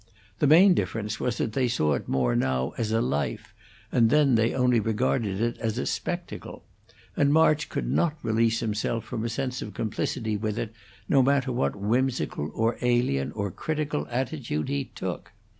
The main difference was that they saw it more now as a life, and then they only regarded it as a spectacle; and March could not release himself from a sense of complicity with it, no matter what whimsical, or alien, or critical attitude he took.